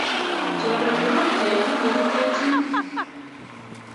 choronok cheitinye kotechin